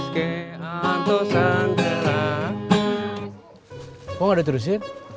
kok gak ada tradisi